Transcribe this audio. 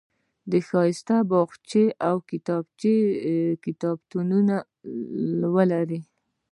که ښایسته باغچه او د کتابونو کتابتون ولرئ.